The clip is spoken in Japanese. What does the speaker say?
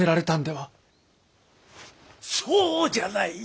そうじゃない！